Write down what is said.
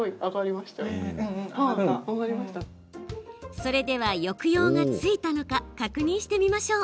それでは、抑揚がついたのか確認してみましょう。